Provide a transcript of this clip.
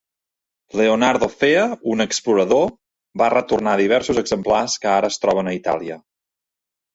Leonardo Fea, un explorador, va retornar diversos exemplars que ara es troben a Itàlia.